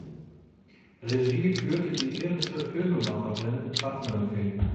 Regie führte die irische Filmemacherin Pat Murphy.